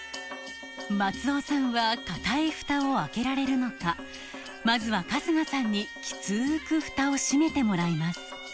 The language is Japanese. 松尾さんは固いフタを開けられるのかまずは春日さんにきつくフタを閉めてもらいます